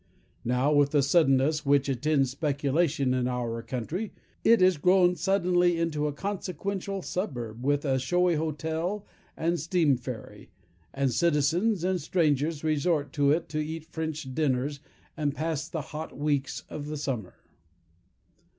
Now, with the suddenness which attends speculation in our country, it is grown suddenly into a consequential suburb, with a showy hotel and steam ferry, and citizens and strangers resort to it to eat French dinners, and pass the hot weeks of the summer.